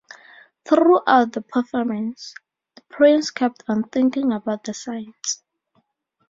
Throughout the performance, the prince kept on thinking about the sights.